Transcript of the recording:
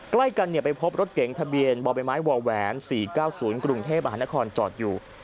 ใกล้กันไปพบรถเก๋งทะเบียนบ่อใบไม้วแหวน๔๙๐กรุงเทพมหานครจอดอยู่